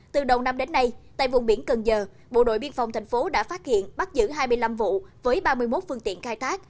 trong biển cần giờ bộ đội biên phòng tp hcm đã phát hiện bắt giữ hai mươi năm vụ với ba mươi một vương tiện khai thác